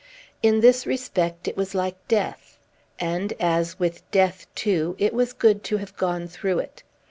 In this respect, it was like death. And, as with death, too, it was good to have gone through it.